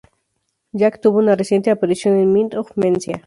Jack tuvo una reciente aparición en "Mind of Mencia".